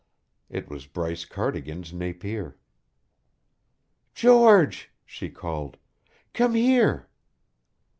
It was Bryce Cardigan's Napier. "George!" she called. "Come here."